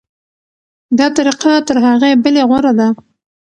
دا طریقه تر هغې بلې غوره ده.